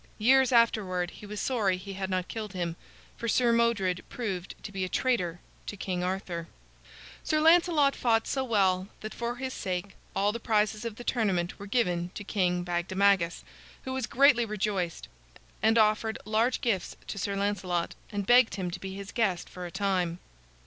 Years afterward he was sorry he had not killed him, for Sir Modred proved to be a traitor to King Arthur. Sir Lancelot fought so well that, for his sake, all the prizes of the tournament were given to King Bagdemagus, who was greatly rejoiced, and offered large gifts to Sir Lancelot, and begged him to be his guest for a time.